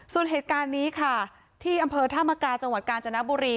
ส่วนเหตุการณ์นี้ค่ะที่อำเภอธามกาจังหวัดกาญจนบุรี